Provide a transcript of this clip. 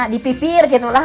dipipir gitu lah